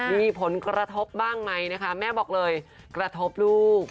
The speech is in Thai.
มีผลกระทบบ้างไหมนะคะแม่บอกเลยกระทบลูก